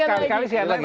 sekali sekali siang lagi